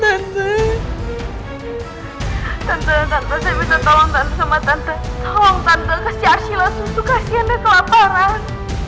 tante tante saya bisa tolong sama tante tolong tante kasih arsila susu kasihan dia kelaparan